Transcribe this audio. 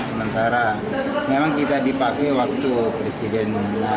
sementara memang kita dipakai waktu presiden